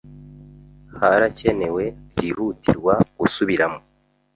Harakenewe byihutirwa gusubiramo.